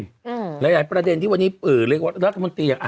หลายประเด็นที่วันนี้ปื่อเรียกว่ารัฐมนตรี